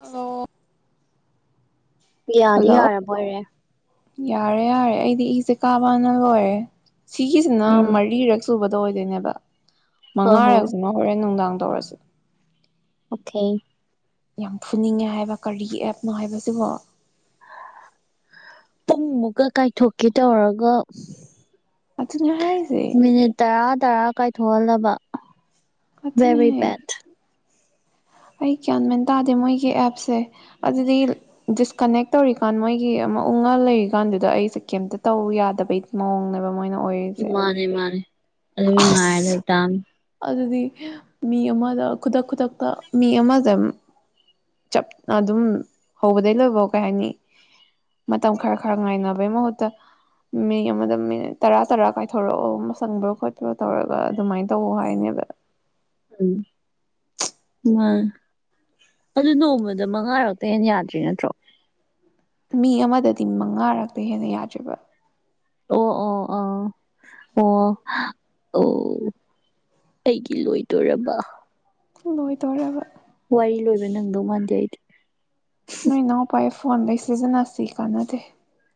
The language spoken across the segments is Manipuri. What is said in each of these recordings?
ꯍꯂꯣ ꯌꯥꯗꯤ ꯌꯥꯔꯕꯣꯏꯔꯦ ꯌꯥꯔꯦ ꯌꯥꯔꯦ ꯑꯩꯗꯤ ꯏꯁꯦ ꯀꯥꯕꯥꯅ ꯂꯣꯏꯔꯦ ꯁꯤꯒꯤꯁꯤꯅ ꯎꯝ ꯃꯔꯤꯔꯛ ꯁꯨꯕꯗ ꯑꯣꯏꯗꯣꯏꯅꯦꯕ ꯍꯣꯏ ꯍꯣꯏ ꯃꯉꯥꯔꯛꯁꯤꯅ ꯍꯣꯔꯦꯟ ꯅꯨꯡꯗꯥꯡ ꯇꯧꯔꯁꯦ ꯑꯣꯈꯦ ꯌꯥꯝ ꯐꯨꯅꯤꯡꯉꯦ ꯍꯥꯏꯕ ꯀꯔꯤ ꯑꯦꯞꯅꯣ ꯍꯥꯏꯕꯁꯤꯕꯣ ꯄꯨꯡ ꯃꯨꯛꯀ ꯀꯥꯏꯊꯣꯛꯀꯦ ꯇꯧꯔꯒ ꯑꯗꯨꯅꯤ ꯍꯥꯏꯖꯦ ꯃꯤꯅꯤꯠ ꯇꯔꯥ ꯇꯔꯥ ꯀꯥꯏꯊꯣꯛꯍꯜꯂꯕ ꯕꯦꯔꯤ ꯀꯊꯨꯅꯦ ꯕꯦꯠ ꯑꯩ ꯒ꯭ꯌꯥꯟ ꯃꯦꯟ ꯇꯥꯗꯦ ꯃꯣꯏꯒꯤ ꯑꯦꯞꯁꯦ ꯑꯗꯨꯗꯤ ꯗꯤꯁꯀꯅꯦꯛ ꯇꯧꯔꯤꯀꯥꯟ ꯃꯣꯏꯒꯤ ꯑꯃ ꯎꯪꯉ ꯂꯩꯔꯤꯀꯥꯟꯗꯨꯗ ꯑꯩꯁꯦ ꯀꯩꯝꯇ ꯇꯧ ꯌꯥꯗꯕꯩ ꯃꯑꯣꯡꯅꯦꯕ ꯃꯣꯏꯅ ꯑꯣꯏꯔꯤꯁꯦ ꯃꯥꯅꯦ ꯃꯥꯅꯦ ꯑꯗꯨꯝ ꯉꯥꯏꯔ ꯑꯁ ꯂꯩꯇꯥꯝꯅꯤ ꯑꯗꯨꯗꯤ ꯃꯤ ꯑꯃꯗ ꯈꯨꯗꯛ ꯈꯨꯗꯛꯇ ꯃꯤ ꯑꯃꯖꯦꯝ ꯆꯞꯅ ꯑꯗꯨꯝ ꯍꯧꯕꯗꯩ ꯂꯣꯏꯕꯧ ꯀꯩ ꯍꯥꯏꯅꯤ ꯃꯇꯝ ꯈꯔ ꯈꯔ ꯉꯥꯏꯅꯕꯩ ꯃꯍꯨꯠꯇ ꯃꯤ ꯑꯃꯗ ꯃꯤꯅꯤꯠ ꯇꯔꯥ ꯇꯔꯥ ꯀꯥꯏꯊꯣꯔꯛꯑꯣ ꯁꯪꯕ꯭ꯔꯣ ꯈꯣꯠꯄ꯭ꯔꯣ ꯇꯧꯔꯒ ꯑꯗꯨꯃꯥꯏꯅ ꯇꯧꯑꯣ ꯍꯥꯏꯅꯦꯕ ꯎꯝ ꯃꯥ ꯑꯗꯨ ꯅꯣꯡꯃꯗ ꯃꯉꯥꯔꯛꯇꯩ ꯍꯦꯟ ꯌꯥꯗ꯭ꯔꯤ ꯅꯠꯇ꯭ꯔꯣ ꯃꯤ ꯑꯃꯗꯗꯤ ꯃꯉꯥꯔꯛꯇꯩ ꯍꯦꯟꯅ ꯌꯥꯗ꯭ꯔꯤꯕ ꯑꯣ ꯑꯣ ꯑꯣ ꯑꯣ ꯑꯣ ꯑꯩꯒꯤ ꯂꯣꯏꯗꯣꯔꯕ ꯂꯣꯏꯗꯣꯔꯕ ꯋꯥꯔꯤ ꯂꯣꯏꯕ ꯅꯪꯗꯧ ꯃꯥꯟꯗꯦ ꯑꯩꯗꯤ ꯅꯣꯏꯅꯥꯎ ꯄꯥꯏꯐ ꯐꯣꯟꯗꯩ ꯁꯤꯖꯟꯅꯁꯤ ꯀꯥꯟꯅꯗꯦ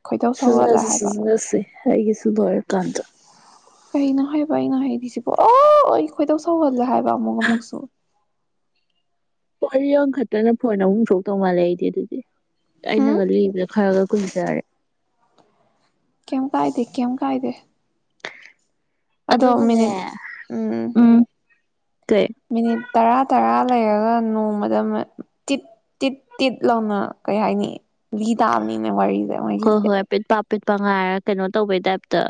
ꯈꯣꯏꯗꯧ ꯁꯧꯒꯠꯂꯦ ꯁꯤꯖꯤꯟꯅꯁꯤ ꯍꯥꯏꯕ ꯁꯤꯖꯤꯟꯅꯁꯤ ꯑꯩꯒꯤꯁꯨ ꯂꯣꯢꯔꯀꯥꯟꯗ ꯥ ꯀꯩꯅꯣ ꯍꯩꯔꯤꯁꯤꯕꯣ ꯑꯩ ꯈꯣꯏꯗꯧ ꯁꯧꯒꯠꯂꯦ ꯍꯥꯏ ꯑꯃꯨꯛ ꯑꯃꯨꯛꯁꯨ ꯋꯥꯔꯤ ꯑꯝꯈꯇꯅ ꯐꯣꯟ ꯑꯍꯨꯝ ꯊꯣꯛꯇꯧ ꯃꯥꯜꯂꯦ ꯑꯩꯗꯤ ꯑꯗꯨꯗꯤ ꯍꯨꯝ ꯑꯩꯅꯒ ꯂꯤꯕꯗ ꯈꯔꯒꯛ ꯀꯨꯟꯇꯔꯦ ꯀꯦꯝ ꯀꯥꯏꯗꯦ ꯀꯦꯝ ꯀꯥꯏꯗꯦ ꯑꯗꯣ ꯑꯗꯨꯒꯅꯦ ꯃꯤꯅꯤꯠ ꯎꯝ ꯀꯩ ꯃꯤꯅꯤꯠ ꯇꯔꯥ ꯇꯔꯥ ꯂꯩꯔꯒ ꯅꯣꯡꯃꯗ ꯃ ꯇꯤꯠ ꯇꯤꯠ ꯇꯤꯠ ꯂꯥꯎꯅ ꯀꯩ ꯍꯥꯏꯅꯤ ꯂꯤ ꯇꯥꯕꯅꯤꯅꯦ ꯋꯥꯔꯤ ꯍꯣ ꯍꯣꯏ ꯄꯤꯠꯄꯥꯞ ꯄꯤꯠꯄ ꯉꯥꯏꯔ ꯀꯩꯅꯣ ꯇꯧꯕꯩ ꯇꯥꯏꯞꯇ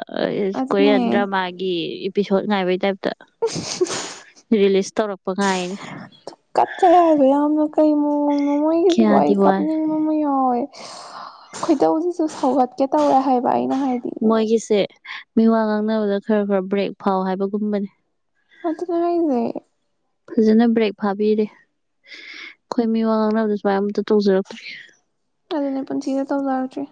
ꯑꯗꯨꯅꯦ ꯀꯣꯌꯦꯟꯗ꯭ꯔ ꯃꯥꯒꯤ ꯄꯤꯁꯣ ꯉꯥꯏꯕꯩ ꯇꯥꯏꯞ ꯔꯔꯤꯂꯤꯖ ꯇꯧꯔ ꯄ ꯉꯥꯏꯅꯦ ꯑꯣ ꯃꯃꯣꯏꯒꯤ ꯋꯥꯏ ꯀꯞꯅꯤꯡ ꯃꯃꯣꯏ ꯍꯣꯏ ꯈꯣꯏꯗꯧꯁꯤꯁꯨ ꯁꯧꯒꯠꯀꯦ ꯇꯧꯔꯦ ꯍꯥꯏꯕ ꯑꯩꯅ ꯍꯥꯏꯗꯤ ꯃꯣꯏꯒꯤꯁꯦ ꯃꯤ ꯋꯥ ꯉꯥꯡꯅꯕꯗ ꯈꯔ ꯈꯔ ꯕ꯭ꯔꯦꯛ ꯐꯥꯎ ꯍꯥꯏꯕꯒꯨꯝꯕꯅꯤ ꯑ ꯑꯗꯨ ꯥꯏꯁꯦ ꯐꯖꯅ ꯕ꯭ꯔꯦꯛ ꯐꯥꯕꯤꯔꯦ ꯑꯩꯈꯣꯏ ꯃꯤ ꯋꯥ ꯉꯥꯡꯅꯕꯗ ꯁꯨꯃꯥꯏ ꯑꯝꯇ ꯇꯧꯖꯔꯛꯇ꯭ꯔꯤ ꯅꯦ ꯄꯨꯟꯁꯤꯗ ꯇꯧ ꯂꯒꯆꯦ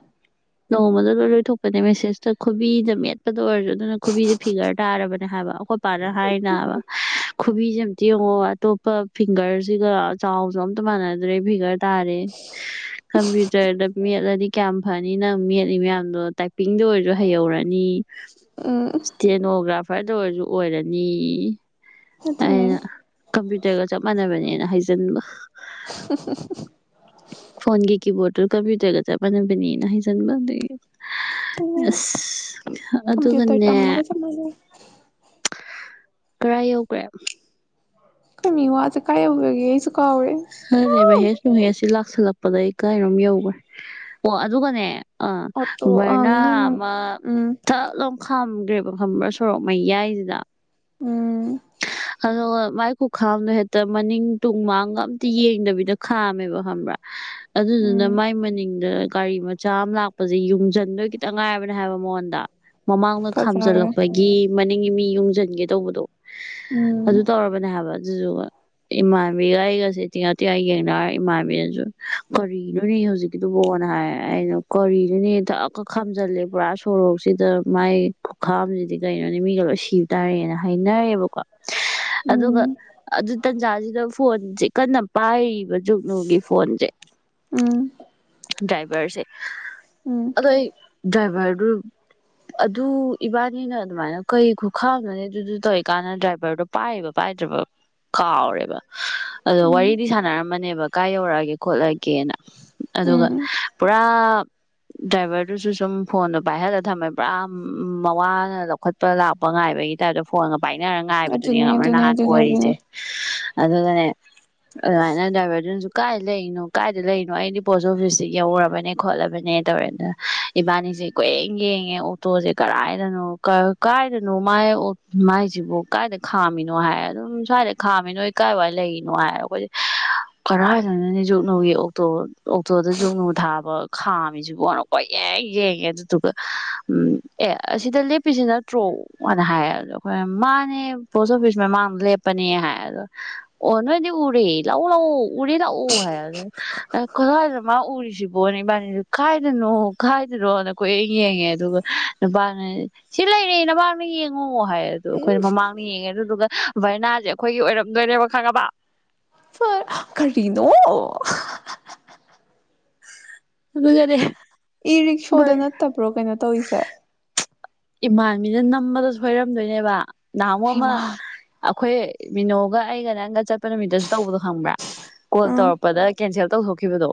ꯅꯣꯡꯃꯗ ꯂꯣꯏ ꯂꯣꯏꯊꯣꯛꯄꯅꯦ ꯃꯦꯁꯦꯁꯇ ꯈꯨꯕꯤꯗ ꯃꯦꯠꯄꯗ ꯑꯣꯏꯔꯁꯨ ꯑꯗꯨꯅ ꯈꯨꯕꯤꯁꯦ ꯐꯤꯒꯔ ꯇꯥꯔꯕꯅꯦ ꯍꯥꯏꯕ ꯑꯩꯈꯣꯏ ꯄꯔ ꯍꯥꯏꯅ ꯑ ꯈꯨꯕꯤꯁꯦ ꯑꯝꯇ ꯌꯦꯡꯉꯣ ꯑꯇꯣꯞꯄ ꯐꯤꯡꯒꯔꯁꯤꯒ ꯆꯥꯎꯁꯨ ꯑꯝꯇ ꯃꯥꯟꯅꯗ꯭ꯔꯦ ꯐꯤꯒꯔ ꯇꯥꯔꯦ ꯀꯝꯄ꯭ꯌꯨꯇꯔꯗ ꯃꯦꯠꯂꯗꯤ ꯀꯌꯥꯝ ꯐꯅꯤ ꯅꯤ ꯅꯪ ꯃꯦꯠꯂꯤ ꯃꯌꯥꯝꯗꯣ ꯇꯥꯏꯄꯤꯡꯗ ꯑꯣꯏꯔꯁꯨ ꯍꯩꯍꯧꯔꯅꯤ ꯎꯝ ꯏꯁꯇꯦꯅꯣꯒ꯭ꯔꯥꯐꯔꯗ ꯑꯣꯏꯔꯁꯨ ꯑꯣꯏꯔꯅꯤ ꯑꯗꯨꯅꯦ ꯑꯩꯅ ꯀꯝꯄ꯭ꯌꯨꯇꯔꯒ ꯆꯞ ꯃꯥꯟꯅꯕꯅꯦꯅ ꯍꯥꯏꯖꯤꯟꯕ ꯐꯣꯟꯒꯤ ꯀꯤꯕꯣꯔꯗ ꯇ ꯀꯥꯕꯤ ꯇꯒ ꯆ ꯃꯅꯕꯅꯤ ꯆꯪꯕꯗ ꯑꯗꯨꯅꯦ ꯑ ꯀꯝꯄ꯭ꯌꯨꯇꯔ ꯑꯗꯨꯒꯅꯦ ꯇꯝꯃꯒ ꯆꯞ ꯃꯥꯟꯅꯩ ꯈꯔꯥ ꯌꯧꯈ꯭ꯔꯦ ꯀꯃꯤ ꯋꯥ ꯑ ꯀꯥꯏꯦ ꯑꯅꯦꯦꯕ ꯍꯦꯁꯁꯨ ꯍꯁꯤ ꯂ ꯁꯤꯜꯂꯛꯄꯗ ꯑꯩ ꯀꯩꯅꯣꯝ ꯌꯧꯈ꯭ꯔꯦ ꯑꯣ ꯑꯗꯨꯒꯅꯦ ꯑ ꯑꯣꯇꯣ ꯑꯪ ꯃꯔꯅ ꯅꯣꯏ ꯃꯝ ꯑꯃ ꯎꯝ ꯊ ꯈꯝꯈ꯭ꯔꯦꯕ ꯈꯝꯕ꯭ꯔꯥ ꯁꯣꯔꯣꯛ ꯃꯌꯥꯏꯁꯤꯗ ꯎꯝ ꯑꯗꯣ ꯃꯥꯏ ꯈꯨꯈꯥꯝꯅꯣ ꯍꯦꯛꯇ ꯃꯅꯤꯡ ꯇꯨꯡ ꯃꯥꯡꯒ ꯌꯦꯡꯗꯕꯤꯗ ꯈꯥꯝꯃꯦꯕ ꯈꯕ꯭ꯔꯥ ꯎꯝ ꯑꯗꯨꯗꯨꯅ ꯃꯥꯏ ꯃꯅꯤꯡꯗ ꯒꯥꯔꯤ ꯃꯆꯥ ꯑꯃ ꯂꯥꯛꯄꯁꯦ ꯌꯨꯡꯁꯤꯟꯗꯣꯏ ꯈꯤꯇꯪ ꯉꯥꯏꯕꯅꯦ ꯍꯥꯏꯕ ꯃꯉꯣꯟꯗ ꯃꯃꯥꯡꯗ ꯐꯖꯔꯦ ꯈꯥꯝꯖꯤꯜꯂꯛꯄꯒꯤ ꯃꯅꯤꯡꯏꯤ ꯃꯤ ꯌꯨꯡꯁꯤꯟꯒꯦ ꯇꯧꯕꯗꯣ ꯑꯗꯨ ꯎꯝ ꯇꯧꯔꯕꯅꯦ ꯍꯥꯏꯕ ꯖ ꯏꯃꯥꯟꯕꯤꯒꯑꯒ ꯁꯤ ꯇꯤꯉꯥ ꯇꯤꯌꯥꯥꯏ ꯌꯦꯡꯅꯔꯒ ꯏꯃꯥ ꯏꯕꯤꯦꯟꯅꯁꯨ ꯀꯣꯔꯤꯅꯅꯤ ꯍꯧꯖꯤꯛꯀꯤꯗꯨꯕꯨꯣꯅ ꯍꯥꯏꯔꯦ ꯑꯩꯅꯣ ꯀꯣꯔꯤꯗꯨꯅꯦ ꯊꯛꯀꯛ ꯈꯥꯝꯖꯤꯜꯂꯦ ꯄꯨꯔꯥ ꯁꯣꯔꯣꯛꯁꯤꯗ ꯃꯥꯏ ꯈꯨꯈꯥꯝꯁꯤꯗꯤ ꯀꯩꯅꯣꯅꯤ ꯃꯤꯒ ꯂꯣꯏ ꯁꯤꯕ ꯇꯥꯔꯦꯅ ꯍꯥꯏꯅꯔꯦꯕꯀꯣ ꯑꯗꯨꯒ ꯎꯝ ꯑꯗꯨ ꯇꯟꯖꯥꯁꯤꯗ ꯐꯣꯟꯁꯦ ꯀꯟꯅ ꯍꯥꯏꯔꯤꯕ ꯖꯨꯛꯅꯨꯒꯤ ꯐꯣꯟꯁꯦ ꯎꯝ ꯗ꯭ꯔꯥꯏꯚꯔꯁꯦ ꯎꯝ ꯑꯗꯣ ꯑꯩ ꯗ꯭ꯔꯥꯏꯚꯔꯗꯨ ꯑꯗꯨ ꯏꯕꯥꯅꯤꯅ ꯑꯗꯨꯃꯥꯏꯅ ꯀꯩ ꯈꯨꯈꯥꯝꯅꯣꯅꯦ ꯑꯗꯨꯗꯨ ꯇꯧꯔꯤꯀꯥꯟꯗ ꯗ꯭ꯔꯥꯏꯚꯔꯗꯣ ꯄꯥꯏꯕ ꯄꯥꯏꯗ꯭ꯔꯕ ꯀꯥꯎꯔꯦꯕ ꯑꯗꯣ ꯎꯝ ꯋꯥꯔꯤꯗꯤ ꯁꯥꯟꯅꯔꯝ ꯔꯝꯕꯅꯦꯕ ꯀꯥꯏ ꯌꯧꯔꯛꯑꯒꯦ ꯈꯣꯠꯂꯒꯦꯅ ꯑꯗꯨꯒ ꯎꯝ ꯄꯨꯔꯥ ꯗ꯭ꯔꯥꯏꯚꯔꯗꯨꯁꯨ ꯁꯨꯝ ꯐꯣꯟꯗꯣ ꯄꯥꯏꯍꯜꯂꯒ ꯊꯝꯃꯦ ꯄꯨꯔꯥ ꯃꯋꯥꯅ ꯂꯧꯈꯠꯄ ꯂꯥꯛꯄ ꯉꯥꯏꯕꯒꯤ ꯇꯥꯏꯞꯇ ꯐꯣꯟꯒ ꯄꯥꯏꯅꯔꯒ ꯉꯥꯏꯕꯗꯨꯅꯤ ꯑꯗꯨꯅꯦ ꯑꯗꯨꯅꯦ ꯅꯍꯥꯟ ꯑꯗꯨꯅꯦ ꯑꯣꯏꯔꯤꯁꯦ꯫ ꯑꯗꯨꯅꯦ ꯑꯗꯨꯒꯅꯦ ꯑꯗꯨꯃꯥꯏꯅ ꯗ꯭ꯔꯥꯏꯚꯔꯗꯨꯅꯁꯨ ꯀꯥꯏꯗ ꯂꯩꯔꯤꯅꯣ ꯀꯥꯏꯗ ꯂꯩꯔꯤꯅꯣ ꯑꯩꯗꯤ ꯄꯣꯁ ꯑꯣꯐꯤꯁꯇ ꯌꯧꯔꯕꯅꯦ ꯈꯣꯠꯂꯕꯅꯦ ꯇꯧꯔꯦꯅ ꯏꯕꯥꯅꯤꯁꯦ ꯀꯣꯏꯌꯦꯡꯉꯦ ꯑꯣꯛꯇꯣꯁꯦ ꯀꯗꯥꯥꯏꯗꯅꯣ ꯃꯥꯏ ꯃꯥꯏꯁꯤꯕꯨ ꯀꯗꯥꯥꯏꯗ ꯈꯥꯝꯃꯤꯅꯣ ꯍꯥꯏ ꯑꯗꯨꯝ ꯁ꯭ꯋꯥꯏꯗ ꯈꯥꯝꯃꯤ ꯅꯣꯏ ꯀꯗꯥꯥꯏꯋꯥꯏ ꯂꯩꯔꯤꯅꯣ ꯍꯥꯏ ꯑꯩꯈꯣꯏꯁꯦ ꯀꯗꯥꯥꯏꯗꯅꯣꯅꯦ ꯖꯨꯛꯒꯨꯅꯨꯒꯤ ꯑꯣꯛꯇꯣ꯫ ꯑꯣꯛꯇꯣꯗ ꯖꯨꯛꯒꯨꯅꯨ ꯊꯥꯕ ꯈꯥꯝꯃꯤꯁꯤꯕꯨꯅ ꯀ꯭ꯣꯏꯌꯦꯡ ꯌꯦꯡꯉꯦ ꯑꯗꯨꯗꯨꯒ ꯎꯝ ꯑꯦ ꯑꯁꯤꯗ ꯂꯦꯞꯄꯤꯁꯤ ꯅꯠꯇ꯭ꯔꯣ ꯍꯥꯏꯅ ꯍꯥꯏꯔꯦꯗꯣ ꯑꯩꯈꯣꯏꯅ ꯃꯥꯅꯦ ꯄꯣꯁ ꯑꯣꯐꯤꯁ ꯃꯃꯥꯡꯗ ꯂꯦꯞꯄꯅꯦ ꯍꯥꯏ ꯑꯗ ꯑꯣ ꯅꯣꯏꯗꯤ ꯎꯔꯦ ꯂꯥꯛꯎ ꯂꯥꯛꯎ ꯎꯔꯦ ꯂꯥꯛꯎ ꯍꯥꯏꯔꯦ ꯀꯗꯥꯏꯗꯅꯣ ꯃꯥ ꯎꯔꯤꯁꯤꯕꯣꯅꯦ ꯏꯕꯥꯅꯤꯁꯨ ꯈꯥꯏꯗꯅꯣ ꯈꯥꯏꯗꯅꯣꯅ ꯀꯣꯏꯌꯦꯡ ꯌꯦꯡꯉꯦ ꯑꯗꯨꯒ ꯅꯨꯄꯥ ꯑꯃꯅ ꯁꯤ ꯂꯩꯔꯦ ꯅꯃꯥꯡꯗ ꯌꯦꯡꯉꯣ ꯍꯥꯏꯔꯦ ꯑꯩꯈꯣꯏꯅ ꯃꯃꯥꯡꯅ ꯌꯦꯡꯉꯦ ꯑꯗꯨꯗꯨꯒ ꯚꯔꯅꯥꯁꯦ ꯑꯩꯈꯣꯏꯒꯤ ꯑꯣꯏꯔꯝꯗꯣꯏꯅꯦꯕ ꯈꯪꯉꯕꯥ꯫ ꯐꯥ ꯀꯔꯤꯅꯣ ꯑꯗꯨꯒꯅꯦ꯫ ꯏꯔꯤꯛꯁꯣꯗ ꯅꯠꯇꯕ꯭ꯔꯣ ꯀꯩꯅꯣ ꯇꯧꯔꯤꯁꯦ ꯏꯃꯥꯟꯕꯤꯅ ꯅꯝꯕꯗ ꯁꯣꯏꯔꯝꯗꯣꯏꯅꯦꯕ꯫ ꯅꯍꯥꯟꯃꯨꯛ ꯑꯃ ꯍꯩꯃꯥ ꯑꯩꯈꯣꯏ ꯃꯤꯅꯣꯒ ꯑꯩꯒ ꯅꯪꯒ ꯆꯠꯄ ꯅꯨꯃꯤꯠꯇꯁꯨ ꯇꯧꯕꯗꯣ ꯈꯪꯕ꯭ꯔꯥ ꯀꯣꯜ ꯎꯝ ꯇꯧꯔꯛꯄꯗ ꯀꯦꯟꯁꯦꯜ ꯇꯧꯊꯣꯛꯈꯤꯕꯗꯣ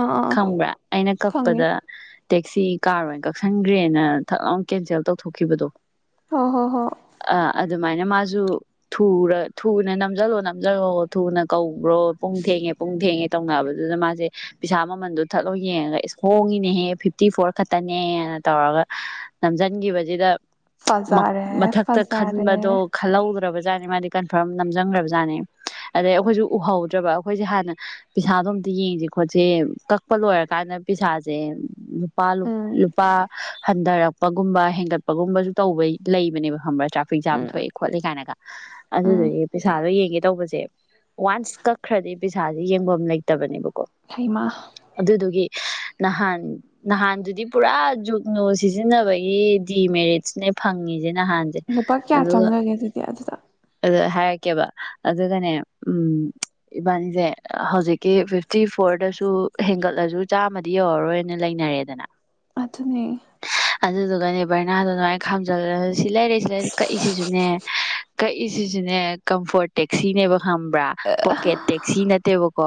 ꯑꯥ ꯑꯥ ꯑꯥ ꯈꯪꯕ꯭ꯔꯥ ꯑꯩꯅ ꯈꯪꯉꯦ ꯀꯛꯄꯗ ꯇꯦꯛꯁꯤ ꯀꯥꯔ ꯑꯣꯏꯅ ꯀꯛꯁꯟꯈ꯭ꯔꯦꯅ ꯀꯦꯟꯁꯦꯜ ꯇꯧꯊꯣꯛꯈꯤꯕꯗꯣ ꯍꯣ ꯍꯣ ꯍꯣ ꯑꯗꯨꯃꯥꯏꯅ ꯃꯥꯁꯨ ꯊꯨꯅ ꯅꯝꯁꯤꯜꯂꯣ ꯅꯝꯁꯤꯜꯂꯣ ꯊꯨꯅ ꯀꯧ ꯕ꯭ꯔꯣ ꯄꯨꯡ ꯊꯦꯡꯉꯦ ꯄꯨꯡ ꯊꯦꯡꯉꯦ ꯇꯧꯅꯕꯗꯨꯗ ꯃꯥꯁꯦ ꯄꯩꯁꯥ ꯃꯃꯜꯗꯣ ꯊꯠꯂꯥꯎ ꯌꯦꯡꯉꯒ ꯏꯁ ꯍꯣꯡꯉꯤꯅꯦꯍꯦ ꯐꯤꯐꯇꯤ ꯐꯣꯔ ꯈꯛꯇꯅꯦꯅ ꯇꯧꯔꯒ ꯅꯝꯁꯤꯟꯈꯤꯕꯁꯤꯗ ꯐꯖꯔꯦ ꯃꯊꯛꯇ ꯐꯖꯔꯦ ꯈꯟꯕꯗꯣ ꯈꯜꯍꯧꯗ꯭ꯔꯕ ꯖꯥꯠꯅꯦ ꯃꯥꯗꯤ ꯀꯟꯐꯔꯝ ꯅꯝꯖꯪꯈ꯭ꯔꯕ ꯖꯥꯠꯅꯤ ꯑꯗꯩ ꯑꯩꯈꯣꯏꯁꯨ ꯎꯍꯧꯗ꯭ꯔꯕ ꯑꯩꯈꯣꯏꯁꯦ ꯍꯥꯟꯅ ꯄꯩꯁꯥꯗꯣ ꯑꯝꯇ ꯌꯦꯡꯁꯤ ꯈꯣꯠꯁꯤ ꯀꯛꯄ ꯂꯣꯏꯔꯀꯥꯟꯗ ꯄꯩꯁꯥꯁꯦ ꯂꯨꯄꯥ ꯎꯝ ꯂꯨꯄꯥ ꯍꯟꯊꯔꯛ ꯀꯄꯒꯨꯝꯕ ꯍꯦꯟꯒꯠꯄꯒꯨꯝꯕꯁꯨ ꯇꯧꯕ ꯂꯩꯕꯅꯦꯕ ꯈꯪꯕ꯭ꯔꯥ ꯇ꯭ꯔꯥꯐꯤꯛ ꯖꯥꯝ ꯎꯝ ꯊꯣꯛꯏ ꯈꯣꯠꯂꯦ ꯀꯥꯏꯅꯒ ꯎꯝ ꯑꯗꯨꯗꯨꯗꯒꯤ ꯄꯩꯁꯥꯗꯣ ꯌꯦꯡꯒꯦ ꯇꯧꯕꯁꯦ ꯋꯥꯟꯁ ꯀꯛꯈ꯭ꯔꯗꯤ ꯄꯩꯁꯥꯁꯦ ꯌꯦꯡꯕ ꯑꯃ ꯂꯩꯇꯕꯅꯦꯕ ꯍꯩꯃꯥ ꯅꯍꯥꯟ ꯅꯍꯥꯟꯗꯨꯗꯤ ꯄꯨꯔꯥ ꯖꯨꯛꯒꯨꯅꯨ ꯁꯤ ꯁꯤꯖꯤꯟꯅꯕꯒꯤ ꯗꯤꯃꯦꯔꯤꯠꯅꯦ ꯐꯪꯉꯤꯁꯦ ꯅꯍꯥꯟꯁꯦ ꯂꯨꯄꯥ ꯀꯌꯥ ꯑꯗꯨꯒ ꯆꯪꯈꯒꯦ ꯑꯗꯨꯗꯤ ꯑꯗꯨꯗ ꯑꯗꯨ ꯍꯥꯏꯔꯛꯀꯦꯕ ꯑꯗꯨꯒꯅꯦ ꯎꯝ ꯏꯕꯥꯅꯤꯁꯦ ꯍꯧꯖꯤꯛꯀꯤ ꯐꯤꯐꯇꯤ ꯐꯣꯔꯗꯁꯨ ꯍꯦꯟꯒꯠꯂꯁꯨ ꯆꯥꯝꯃꯗꯤ ꯌꯧꯔꯔꯣꯏꯅ ꯂꯩꯅꯔꯦꯗꯅ ꯑꯗꯨꯅꯤ ꯑꯗꯨꯗꯨꯒꯅꯦ ꯕꯔꯅꯥꯗꯣ ꯑꯗꯨꯃꯥꯏꯅ ꯈꯥꯝꯖꯜꯂ ꯁꯤ ꯂꯩꯥꯏꯔꯦ ꯁꯤ ꯂꯩꯥꯏ ꯀꯛꯏꯁꯤꯁꯨꯅꯦ ꯀꯛꯏꯁꯤꯁꯤꯅꯦ ꯀꯝꯐꯣꯔꯠ ꯇꯦꯛꯁꯤꯅꯦꯕ ꯍꯕ꯭ꯔꯥ ꯄꯣꯀꯦꯠ ꯇꯦꯛꯁꯤ ꯅꯠꯇꯦꯕꯀꯣ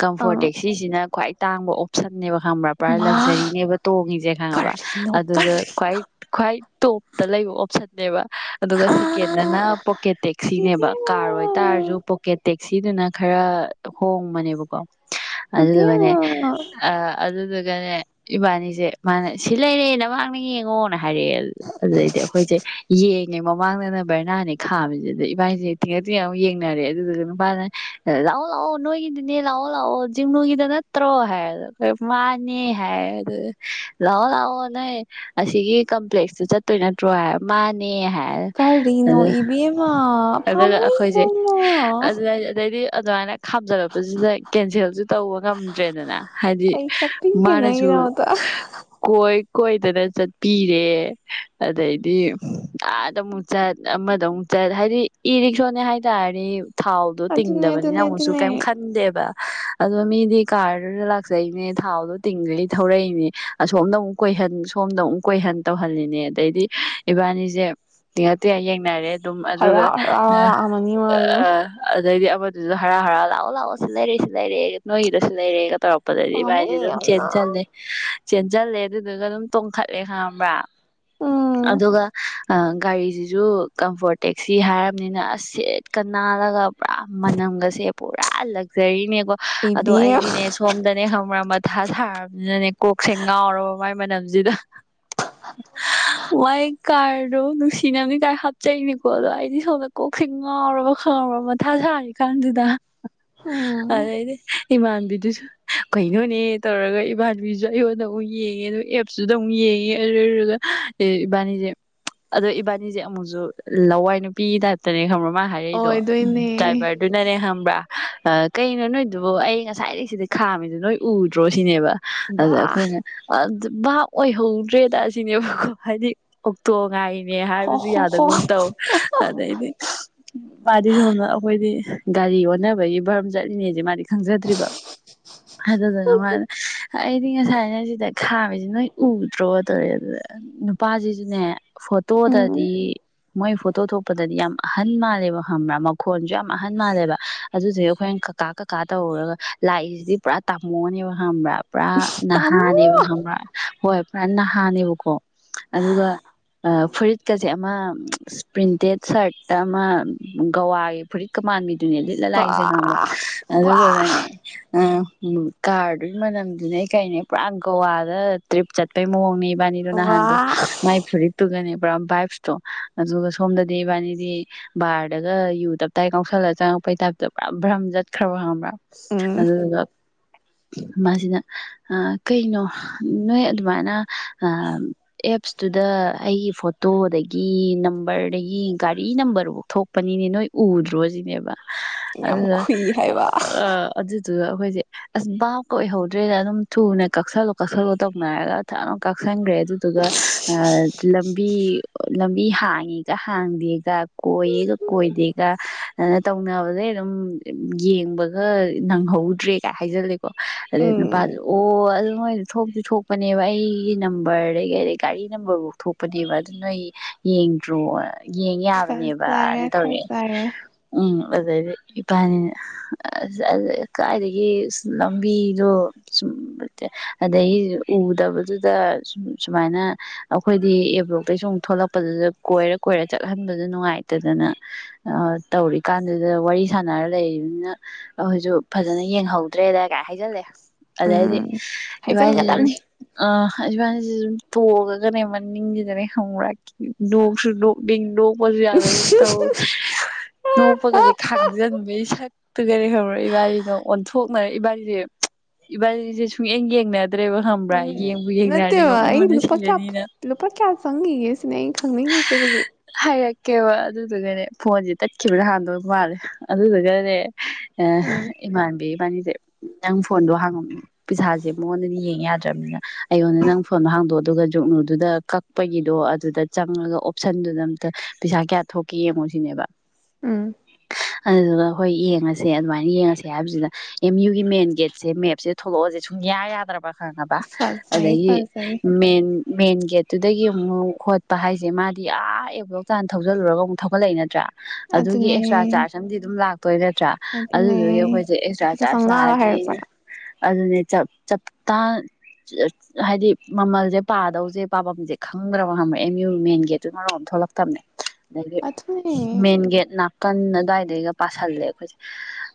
ꯀꯝꯐꯣꯔꯠ ꯑꯥ ꯇꯦꯛꯁꯤꯁꯤꯅ ꯈ꯭ꯋꯥꯏ ꯇꯥꯡꯕ ꯑꯣꯞꯁꯟꯅꯦꯕ ꯈꯪꯕ꯭ꯔꯥ ꯄꯨꯔꯥ ꯃꯥ ꯂꯛꯖꯔꯤꯅꯦꯕ ꯇꯣꯡꯉꯤꯁꯦ ꯈꯪꯉꯕ ꯀꯔꯤꯅꯣ ꯑꯗꯨꯒ ꯀꯔꯤ ꯈ꯭ꯋꯥꯏ ꯈ꯭ꯋꯥꯏ ꯇꯣꯞꯇ ꯂꯩꯕ ꯑꯣꯞꯁꯟ ꯅꯕ ꯑꯗꯨꯒ ꯑꯥ ꯁꯦꯀꯦꯟꯗꯅ ꯄꯣꯀꯦ ꯇꯦꯛꯁꯤꯅꯦꯕ ꯏꯕꯦꯝꯃ ꯀꯥꯔ ꯑꯣꯏꯇꯥꯔꯁꯨ ꯄꯣꯀꯦ ꯇꯦꯛ ꯁꯤꯗꯅ ꯈꯔ ꯍꯣꯡꯕꯅꯦꯕꯀꯣ ꯑꯗꯨ ꯃꯅꯦ ꯏꯕꯦꯝꯃ ꯑ ꯑꯗꯨ ꯀꯔ ꯏꯕꯥꯅꯤꯁꯦ ꯃ ꯁꯤ ꯂꯩꯔꯦ ꯅꯃꯥꯡꯅ ꯌꯦꯡꯉꯣꯅ ꯍꯥꯏꯔꯛꯑꯦ ꯑꯗꯨꯗꯩꯗꯤ ꯑꯩꯈꯣꯏꯁꯦ ꯌꯦꯡꯉꯦ ꯃꯃꯥꯡꯗꯅ ꯕꯔꯅꯥꯅꯦ ꯈꯥꯝꯃꯤꯁꯤꯗ ꯏꯕꯥꯥꯏꯁꯦ ꯇꯤꯡꯉꯠ ꯇꯤꯡꯉꯠ ꯑꯃꯨ ꯌꯦꯡꯅꯔꯦ ꯑꯗꯨꯗꯨꯒ ꯅꯨꯄꯥꯅ ꯂꯥꯛꯑꯣ ꯂꯥꯛꯑꯣ ꯅꯣꯏꯒꯤꯗꯨꯅꯦ ꯂꯥꯛꯑꯣ ꯂꯥꯛꯑꯣ ꯤꯡꯅꯨꯒꯤꯗ ꯅꯠꯇ꯭ꯔꯣ ꯍꯥꯏꯔꯗ ꯑꯩꯈꯣꯏ ꯃꯥꯅꯦ ꯍꯥꯏꯔ ꯑꯗꯨ ꯂꯥꯛꯑꯣ ꯂꯥꯛꯑꯣ ꯅꯪ ꯑꯁꯤꯒꯤ ꯀꯝꯄ꯭ꯂꯦꯛꯁꯇꯨ ꯆꯠꯇꯣꯏ ꯅꯠꯇ꯭ꯔꯣ ꯍꯥꯏ ꯃꯥꯅꯦ ꯍꯥꯏ ꯀꯔꯤꯅꯣ ꯏꯕꯦꯝ ꯃꯥ ꯑꯗꯨꯒ ꯄꯃꯃ ꯑꯗꯨꯅ ꯈꯥꯞꯖꯔꯛꯄꯁꯤꯗ ꯀꯦꯟꯁꯦꯜꯁꯨ ꯇꯧꯕ ꯉꯝꯗ꯭ꯔꯦꯗꯅ ꯍꯥꯏꯗꯤ ꯑꯩ ꯀꯞꯄꯤꯒꯦ ꯃꯥꯅꯁꯨ ꯅꯪꯒꯤꯗꯃꯛꯇ ꯀꯣꯏ ꯀꯣꯏꯗꯅ ꯆꯠꯄꯤꯔꯦ ꯑꯗꯩꯗꯤ ꯑꯥꯗ ꯑꯃꯨꯛ ꯆꯠ ꯑꯃꯗ ꯑꯃꯨꯛ ꯆꯠ ꯍꯥꯏꯗꯤ ꯏꯔꯤꯛꯁꯣꯅꯦ ꯍꯥꯏ ꯇꯔꯦ ꯊꯥꯎꯗꯣ ꯑꯗꯨꯅꯦ ꯇꯤꯡꯗꯕꯅꯤꯅ ꯑꯗꯨꯅꯦ ꯑꯃꯨꯛꯁꯨ ꯑꯗꯨꯅꯦ ꯀꯩꯝ ꯈꯟꯗꯦꯕ ꯑꯗꯣ ꯃꯤꯗꯤ ꯀꯥꯔꯗꯨꯗ ꯂꯥꯛꯆꯩꯅꯦ ꯊꯥꯎꯗꯣ ꯇꯤꯡꯒꯜꯂꯤ ꯊꯧꯔꯛꯏꯅꯦ ꯑꯁꯣꯝꯗ ꯑꯃꯨꯛ ꯀꯣꯏꯍꯟ ꯁꯣꯝꯗ ꯑꯃꯨꯛ ꯀꯣꯏꯍꯟ ꯇꯧꯍꯜꯂꯤꯅꯦ ꯑꯗꯩꯗꯤ ꯏꯕꯥꯅꯤꯁꯦ ꯇꯤꯡꯉ ꯇꯉ ꯌꯦꯡꯅꯔꯦ ꯑꯗꯨꯝ ꯍꯔꯥꯎ ꯑꯗꯨꯒ ꯍꯔꯥꯎ ꯂꯥꯛꯑꯝꯃꯅꯤ ꯃꯥꯁꯨ ꯑꯗꯩꯗꯤ ꯃꯣꯏꯗꯨꯁꯨ ꯍꯔ ꯍꯔ ꯂꯥꯛꯑꯣ ꯂꯥꯛꯑꯣꯁꯨ ꯂꯩꯔꯦꯁꯨ ꯂꯩꯔꯦ ꯅꯣꯏꯒꯤꯗꯁꯨ ꯂꯩꯔꯦꯒ ꯇꯧꯔꯛꯄꯗꯗꯤ ꯚꯥꯏꯁꯦ ꯄꯥꯝꯃꯨꯏ ꯑꯗꯨꯝ ꯌꯥꯝꯅ ꯆꯦꯟꯁꯤꯜꯂꯦ ꯆꯦꯟꯁꯤꯜꯂꯦ ꯑꯗꯨꯗꯨꯒ ꯑꯗꯨꯝ ꯇꯣꯡꯈꯠꯂꯦ ꯈꯥꯡꯝꯕ꯭ꯔꯥ ꯎꯝ ꯑꯗꯨꯒ ꯑ ꯒꯥꯔꯤꯁꯤꯁꯨ ꯀꯝꯐꯣꯔꯠ ꯇꯦꯛꯁꯤ ꯍꯥꯏꯔꯕꯅꯤꯅ ꯑꯁ ꯁꯦꯠꯀ ꯅꯥꯜꯂꯒ ꯄꯨꯔꯥ ꯃꯅꯝꯒꯁꯦ ꯄꯨꯔꯥ ꯂꯛꯖꯔꯤꯅꯦ ꯑꯗꯣ ꯏꯕꯦꯝ ꯑꯩꯗꯤꯅꯦ ꯁꯣꯝꯗꯅꯦ ꯈꯪ ꯃꯊꯥ ꯁꯥꯔꯕꯅꯤꯅꯅꯦ ꯀꯣꯛ ꯀꯣꯛꯁꯦꯡ ꯉꯥꯎꯔꯕ ꯃꯥꯏ ꯃꯅꯝꯁꯤꯗ ꯃꯥꯏ ꯀꯥꯔꯗꯣ ꯅꯨꯡꯁꯤꯅꯕꯅꯤ ꯀꯥꯏ ꯍꯥꯞꯆꯩꯅꯤꯀꯣ ꯑꯗꯣ ꯑꯩꯗꯤ ꯁꯣꯝꯗ ꯀꯣꯛꯁꯦ ꯉꯥꯎꯔꯕ ꯈꯥꯎꯔꯕ ꯃꯊꯥ ꯁꯥꯔꯤꯀꯥꯟꯗꯨꯗ ꯎꯝ ꯑꯗꯩꯗꯤ ꯏꯃꯥꯟꯕꯤꯗꯨꯁꯨ ꯀꯩꯅꯣꯅꯦ ꯇꯧꯔꯒ ꯏꯃꯥꯟꯕꯤꯁꯨ ꯑꯩꯣꯟ ꯑꯃꯨꯛ ꯌꯦꯡꯉꯦ ꯑ ꯑꯦꯞꯁꯨꯨꯗ ꯑꯃꯨꯛ ꯌꯦꯡꯉꯦ ꯑꯗꯨꯔꯒ ꯏꯕꯥꯅꯤꯁꯦ ꯑꯗꯣ ꯏꯕꯥꯅꯤꯁꯦ ꯑꯃꯨꯛꯁꯨ ꯂꯋꯥꯏ ꯅꯨꯄꯤꯒꯤ ꯇꯥꯏꯞꯇꯅꯦ ꯈꯪ ꯍꯥꯏꯔꯛꯏꯗꯣ ꯎ ꯑꯣꯏꯗꯣꯏꯅꯦ ꯗ꯭ꯔꯥꯏꯚꯔꯗꯨꯅꯅꯦ ꯈꯪꯕ꯭ꯔꯥ ꯀꯩꯅꯣ ꯅꯣꯏꯗꯨꯕꯨꯣ ꯑꯩ ꯉꯁꯥꯏꯗꯒꯤꯩ ꯁꯤꯗ ꯈꯥꯝꯃꯤꯗꯨꯣ ꯅꯣꯏ ꯎꯗ꯭ꯔꯣ ꯁꯤꯅꯦꯕ ꯑꯗ [inaudible] ꯑꯩꯈꯣꯏꯅ ꯑꯗ ꯚꯥꯕ ꯑꯣꯏꯍꯧꯗ꯭ꯔꯦꯗ ꯑꯁꯤꯅꯦꯕꯀꯣ ꯍꯥꯏꯗꯤ ꯑꯣꯛꯇꯣ ꯉꯥꯏꯔꯤ ꯅꯦ ꯍꯣ ꯍꯥꯏꯕꯁꯨ ꯍꯣ ꯍꯣ ꯌꯥꯗꯒꯨꯝ ꯇꯧ ꯑꯗꯩꯗꯩ ꯃꯥꯗꯤ ꯁꯣꯝꯅ ꯑꯩꯈꯣꯏꯗꯤ ꯒꯥꯔꯤ ꯑꯣꯟꯅꯕꯒꯤ ꯕꯔꯝ ꯆꯠꯂꯤꯅꯦꯁꯦ ꯃꯥ ꯈꯪꯖꯗ꯭ꯔꯤꯕ ꯑꯗꯨꯗꯨꯅ ꯃꯥꯅ ꯑꯩꯗꯤ ꯉꯁꯥꯏ ꯉꯁꯤꯗ ꯈꯥꯝꯃꯤꯁꯤ ꯅꯣꯏ ꯎꯗ꯭ꯔꯣ ꯇꯧꯔꯦ ꯑꯗꯨꯗ ꯅꯨꯄꯥꯁꯤꯁꯨꯅꯦ ꯎꯝ ꯐꯣꯇꯣꯗꯗꯤ ꯃꯣꯏ ꯐꯣꯇꯣ ꯊꯣꯛꯄꯗꯗꯤ ꯌꯥꯝ ꯑꯍꯟ ꯃꯥꯜꯂꯦꯕ ꯈꯪꯕ꯭ꯔꯥ ꯃꯈꯣꯟꯁꯨ ꯌꯥꯝ ꯑꯍꯟ ꯃꯥꯜꯂꯦꯕ ꯑꯗꯨꯗꯨ ꯑꯩꯈꯣꯏꯅ ꯀꯀꯥ ꯀꯀꯥ ꯇꯧꯔꯒ ꯂꯥꯛꯏꯁꯤꯗꯤ ꯄꯨꯔꯥ ꯇꯥꯃꯣꯅꯦꯕ ꯈꯪꯕ꯭ꯔꯥꯕ ꯄꯨꯔꯥ ꯅꯍꯥ ꯇꯥꯃꯣ ꯃꯥꯅꯦꯕ ꯈꯪꯕ꯭ꯔ ꯍꯣꯏ ꯄꯨꯔꯥ ꯅꯍꯥꯅꯦꯕꯀꯣ ꯑꯗꯨꯒ ꯐꯨꯔꯤꯠꯀꯁꯦ ꯑꯃ ꯄ꯭ꯔꯤꯟꯇꯦꯠ ꯁꯥꯔꯠ ꯑꯃ ꯒꯋꯥꯒꯤ ꯐꯨꯔꯤꯠꯀ ꯃꯥꯟꯕꯤ ꯑꯗꯨ ꯂꯤꯠꯂ ꯂꯥꯛꯏꯁꯦ ꯕꯥ ꯈꯪꯕ꯭ꯔꯥ ꯋꯥ ꯑꯗꯨꯗꯨꯒꯅꯦ ꯑ ꯎꯨꯝ ꯀꯥꯔꯗꯨꯒꯤ ꯃꯅꯝꯗꯨꯅꯦ ꯑꯩ ꯀꯩꯅꯦ ꯄꯨꯔꯥ ꯒꯋꯥꯗ ꯇ꯭ꯔꯤꯞ ꯆꯠꯄꯩ ꯃꯑꯣꯡꯅꯦ ꯏꯕꯥꯅꯤꯗꯣ ꯋꯥ ꯅꯍꯥꯟꯣ ꯃꯥꯏ ꯐꯔꯤ ꯇꯨꯒꯅꯦꯕ ꯄꯨꯔꯥ ꯕꯥꯥꯏꯞꯁꯇꯣ ꯑꯗꯨꯒ ꯁꯣꯝꯗꯗꯤ ꯏꯕꯥꯅꯤꯗꯤ ꯕꯥꯔꯗꯒ ꯌꯨ ꯇꯞꯇꯥꯏ ꯀꯥꯎꯁꯜꯂꯒ ꯆꯪꯉꯛꯄꯩ ꯇꯥꯏꯞꯇ ꯄꯨꯔꯥ ꯕ꯭ꯔꯝ ꯆꯠꯈ꯭ꯔꯕ ꯈꯪꯕ꯭ꯔꯥ ꯎꯝ ꯑꯗꯨꯗꯨꯒ ꯃꯥꯁꯤꯅ ꯑꯥ ꯀꯩꯅꯣ ꯅꯣꯏ ꯑꯗꯨꯃꯥꯏꯅ ꯑ ꯑꯦꯞꯁꯇꯨꯗ ꯑꯩꯒꯤ ꯐꯣꯇꯣꯗꯒꯤ ꯅꯝꯕꯔꯗꯒꯤ ꯒꯥꯔꯤ ꯅꯝꯕꯔꯐꯥꯎ ꯊꯣꯛꯄꯅꯤꯅꯦ ꯅꯣꯏ ꯎꯗ꯭ꯔꯣ ꯁꯤꯅꯦꯕ ꯌꯥꯝ ꯈꯨꯏ ꯍꯥꯏꯕ ꯑꯗꯨꯒ ꯑꯩꯈꯣꯏꯁꯦ ꯑꯁ ꯕꯥꯞꯀꯥ ꯑꯣꯏꯍꯧꯗ꯭ꯔꯦꯗ ꯑꯗꯨꯝ ꯊꯨꯅ ꯀꯛꯁꯜꯂꯣ ꯀꯛꯁꯜꯂꯣ ꯇꯧꯅꯔꯒ ꯊꯅ ꯀꯛꯁꯟꯈ꯭ꯔꯦ ꯀꯛꯁꯤꯟꯔꯣ ꯀꯛꯁꯤꯟꯔꯣ ꯑꯗꯨꯗꯨꯒ ꯂꯝꯕꯤ ꯂꯝꯕꯤ ꯍꯥꯡꯉꯦꯒ ꯍꯥꯡꯗꯦꯒ ꯀꯣꯏꯌꯦꯒ ꯀꯣꯏꯗꯦꯒ ꯑꯗꯨꯅ ꯇꯧꯅꯕꯗꯩ ꯑꯗꯨꯝ ꯌꯦꯡꯕꯒ ꯅꯪꯍꯧꯗ꯭ꯔꯦꯒꯥꯏ ꯍꯥꯏꯖꯜꯂꯦ ꯑꯗꯩ ꯅꯨꯄꯥꯗꯨꯅ ꯎꯝ ꯑꯗꯨꯅ ꯑꯣ ꯑꯗꯨ ꯅꯣꯏꯗ ꯊꯣꯛꯇ ꯊꯣꯛꯄꯅꯦꯕ ꯑꯩꯒꯤ ꯅꯝꯕꯗꯩ ꯑꯗꯒꯤ ꯑꯗꯩ ꯒꯥꯔꯤ ꯅꯝꯕꯔꯐꯥꯎ ꯊꯣꯛꯄꯅꯦꯕ ꯑꯗꯨ ꯅꯣꯏ ꯌꯦꯡꯗ꯭ꯔꯣ ꯌꯦꯡ ꯌꯥꯕꯅꯦꯕꯅ ꯐꯖꯔꯦ ꯇꯧꯔꯦꯡꯛ ꯐꯖꯔꯦ ꯎꯝ ꯑꯗꯩꯗꯤ ꯏꯄꯥꯅꯤꯅ ꯀꯥꯏꯏꯗꯒꯤ ꯂꯝꯕꯤꯗꯣ ꯁꯨꯝ ꯑꯗꯗꯒꯤ ꯎꯗꯕꯗꯨꯗ ꯁ ꯁꯨꯃꯥꯏꯅ ꯑꯩꯈꯣꯏꯗꯤ ꯑꯦꯞꯂꯣꯛꯇꯩ ꯁ ꯑꯃꯨꯛ ꯊꯣꯛꯂꯛꯄꯗꯨꯗ ꯀꯣꯏꯔ ꯀꯣꯏꯔ ꯑꯗꯩ ꯑꯗꯕꯨꯗꯨꯗ ꯑꯨꯝꯃꯥꯏꯅ ꯆꯠꯍꯟꯕꯗ ꯅꯨꯡꯉꯥꯏꯇꯗꯅ ꯇꯧꯔꯤꯀꯥꯟꯗꯨꯗ ꯋꯥꯔꯤ ꯁꯥꯟꯅꯔ ꯂꯩꯅꯤꯅ ꯑꯩꯈꯣꯏꯁꯨ ꯐꯖꯅ ꯌꯦꯡꯍꯧꯗ꯭ꯔꯦꯗ ꯀꯥꯏ ꯍꯥꯏꯖꯜꯂꯦ ꯑꯗꯩꯗꯤ ꯎꯝ ꯏꯕꯥꯅꯤ ꯑꯤ ꯍꯥꯏꯖꯤꯟꯒꯗꯕꯅꯤ ꯑ ꯍꯥꯏꯕꯥ ꯁꯨꯝ ꯇꯣꯛꯉꯒꯅꯦ ꯃꯅꯤꯡꯁꯤꯗꯅꯦ ꯈꯪꯕꯨꯔ ꯅꯣꯛꯁꯨ ꯇꯣꯡꯉꯒꯅꯦ ꯃꯅꯤꯡꯁꯤꯗ ꯅꯣꯛꯁꯨ ꯅꯣꯛꯅꯤꯡ ꯅꯣꯛꯄꯁꯨ ꯌꯥꯗꯒꯨꯝ ꯇꯧ ꯅꯣꯛꯄꯒꯗꯤ ꯈꯥꯡꯖꯤꯟꯕꯒꯤ ꯁꯛꯇꯨꯒꯅꯦ ꯈꯪꯕꯨꯔ ꯏꯕꯥꯅꯤꯅ ꯑꯣꯟꯊꯣꯛꯅꯔ ꯏꯕꯥꯂꯤꯁꯦ ꯏꯕꯥꯂꯤꯁꯦ ꯁꯨꯛꯌꯦꯡ ꯌꯦꯡꯅꯗ꯭ꯔꯦꯕ ꯈꯪꯕ꯭ꯔꯥ ꯌꯦꯡꯅꯔꯗꯤ ꯅꯠꯇꯦꯕ ꯑꯩ ꯅꯣꯛꯅꯤꯡꯕꯅ ꯂꯨꯄꯥ ꯀꯌꯥ ꯁꯤꯔꯅꯤꯅ ꯂꯨꯄꯥ ꯀꯌꯥ ꯆꯪꯉꯒꯦꯁꯤꯅꯦ ꯑꯩꯅꯤ ꯈꯪꯅꯤꯡꯏꯁꯦ ꯍꯩꯖꯤꯛ ꯀꯦꯕ ꯑꯗꯨꯗꯨꯒꯅꯦ ꯐꯣꯟꯁꯦ ꯇꯠꯈꯤꯕꯅ ꯍꯥꯟꯗꯣꯏ ꯃꯥꯜꯂꯦ ꯑꯗꯨꯗꯨꯒꯅꯦ ꯑ ꯎꯝ ꯏꯃꯥꯟꯅꯕꯤ ꯏꯕꯥꯅꯤ ꯅꯪ ꯐꯣꯟꯗꯣ ꯍꯥꯡꯉꯝꯅꯤ ꯄꯩꯁꯥꯁꯦ ꯃꯉꯣꯟꯗꯗꯤ ꯌꯦꯡ ꯌꯥꯗ꯭ꯔꯕꯅꯤꯅ ꯑꯩꯉꯣꯟꯗ ꯅꯪ ꯐꯣꯟꯗꯣ ꯍꯥꯡꯗꯣꯛ ꯑꯗꯨꯒ ꯖꯨꯛꯅꯨꯗꯨꯗ ꯀꯛꯄꯒꯤꯗꯣ ꯑꯗꯨꯗ ꯆꯪꯉꯒ ꯑꯣꯞꯁꯟꯗꯨꯗ ꯑꯝꯇ ꯄꯩꯁꯥ ꯀꯌꯥ ꯊꯣꯛꯀꯦ ꯌꯦꯡꯉꯣ ꯁꯤꯅꯦꯕ ꯎꯝ ꯑꯗꯨꯗꯨꯒ ꯍꯈꯣꯏ ꯌꯦꯡꯉꯁꯦ ꯑꯗꯨꯃꯥꯏꯅ ꯌꯦꯡꯉꯁꯦ ꯍꯥꯏꯕꯁꯤꯗ ꯑꯦꯝ ꯌꯨꯒꯤ ꯃꯦꯟ ꯒꯦꯠꯁꯦ ꯃꯦꯞꯁꯦ ꯊꯣꯛꯂꯛꯑꯁꯦ ꯁꯨꯡꯌꯥ ꯌꯥꯗ꯭ꯔꯕ ꯈꯪꯅꯕ ꯐꯖꯩ ꯑꯗꯒꯤ ꯐꯖꯩ ꯃꯦꯟ ꯃꯦꯟ ꯒꯦꯠꯇꯨꯗꯒꯤ ꯑꯃꯨꯛ ꯈꯣꯠꯄ ꯍꯥꯏꯁꯦ ꯃꯥꯗꯤ ꯑꯥ ꯑ ꯕ꯭ꯂꯣꯛ ꯇꯥꯟꯅ ꯊꯧꯖꯜꯂꯨꯔꯒ ꯑꯃꯨꯛ ꯊꯧꯒꯠꯂꯛꯏ ꯅꯠꯇ꯭ꯔꯥ ꯑꯗꯨꯒꯤ ꯑꯗꯨꯅꯦ ꯑꯦꯛꯁꯇ꯭ꯔꯥ ꯆꯥꯔꯖ ꯑꯃꯗꯤ ꯑꯗꯨꯝ ꯂꯥꯛꯄ ꯇꯣꯏꯂꯦꯠꯇ꯭ꯔꯥ ꯑꯗꯨꯅꯦ ꯑꯗꯨꯗꯨꯒꯤ ꯑꯩꯈꯣꯏꯁꯦ ꯑꯦꯛꯁꯇ꯭ꯔꯥ ꯂꯨꯄꯥ ꯆꯥꯔꯖ ꯆꯥꯝꯃꯉꯥꯒ ꯍꯥꯏꯔꯛꯄ꯭ꯔꯥ ꯂꯥꯛꯑꯗꯤꯅ ꯑꯗꯨꯗꯤ ꯆꯞꯇꯥ ꯍꯥꯏꯗꯤ ꯃꯃꯜꯁꯦ ꯄꯥꯗꯧꯁꯦ ꯄꯥꯐꯝꯁꯦ ꯈꯪꯗ꯭ꯔꯕ ꯉꯝꯃꯑꯦ ꯃꯨ ꯃꯦꯟ ꯒꯦꯠꯇꯨꯅꯔꯣꯝ ꯊꯣꯛꯂꯛꯇꯕꯅꯦ ꯑꯗꯒꯤ ꯑꯗꯨꯅꯦ ꯃꯦꯟ ꯒꯦꯠ ꯅꯥꯀꯟ ꯑꯗꯨꯋꯥꯏꯗꯩꯒ ꯄꯥꯁꯜꯂꯦ ꯑꯩꯈꯣꯏꯁꯦ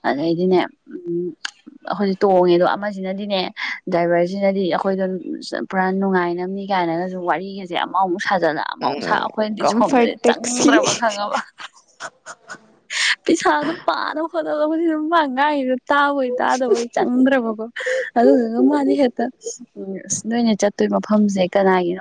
ꯑꯗꯩꯗꯤꯅꯦ ꯎ ꯑꯩꯈꯣꯏꯁꯦ ꯇꯣꯡꯉꯦ ꯑꯗꯣ ꯁꯤꯅꯗꯤꯅꯦ ꯗ꯭ꯔꯥꯏꯚꯔꯁꯤꯅꯗꯤ ꯑꯩꯈꯣꯏꯗ ꯄꯨꯔꯥ ꯅꯨꯡꯉꯥꯏꯅꯕꯅꯤ ꯀꯥꯏꯅꯒꯁꯨ ꯋꯥꯔꯤꯒꯁꯦ ꯑꯃꯛ ꯑꯃꯨꯛ ꯁꯥꯖ ꯐꯖꯅ ꯑꯃꯧꯁꯥ ꯑꯩꯈꯣꯏꯅꯗꯤ ꯁꯣꯝꯗꯗꯤ ꯀꯝꯐꯔꯠ ꯇꯦꯛꯁꯤ ꯆꯪꯗ꯭ꯔꯕ ꯈꯪꯉꯕ ꯄ ꯁꯥꯟ ꯑꯗꯨ ꯄꯗ ꯐ ꯃꯒꯥ ꯇꯥꯕꯣꯏ ꯇꯥꯗꯕꯣꯏ ꯆꯪꯗ꯭ꯔꯕꯀꯣ ꯑꯗꯨꯗꯨꯒ ꯃꯥꯗꯤ ꯍꯦꯛꯇ ꯎ ꯅꯣꯏꯅꯦ ꯆꯠ ꯑꯣꯏ ꯃꯐꯝꯁꯦ ꯀꯅꯥꯒꯤꯅꯣ